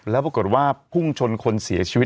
แล้วปรากฏว่าพุ่งชนคนเสียชีวิต